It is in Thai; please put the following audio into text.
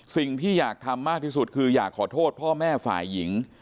สิ่งที่อยากทำมากที่สุดคืออยากขอโทษพ่อแม่ฝ่ายหญิง